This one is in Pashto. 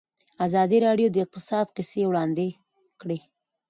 ازادي راډیو د اقتصاد کیسې وړاندې کړي.